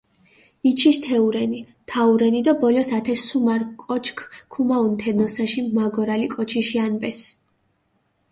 იჩის თეურენი, თაურენი დო ბოლოს ათე სუმარ კოჩქ ქუმაჸუნ თე ნოსაში მაგორალი კოჩიში ანბეს.